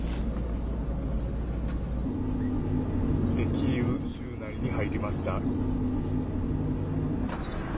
キーウ州内に入りました。